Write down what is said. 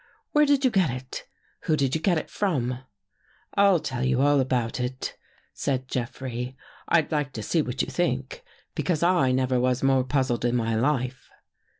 Where did you get it? Who did you get it from? "" I'll tell you all about it," said Jeffrey. " I'd like to see what you think. Because I never was more puzzled in my life."